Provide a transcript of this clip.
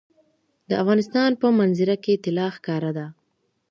د افغانستان په منظره کې طلا ښکاره ده.